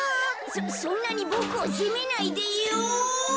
そんなにボクをせめないでよ。